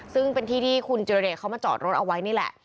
ซึ่งเป็นที่ที่คุณจิรเดชเขามาจอดรถเอาไว้นี่แหละ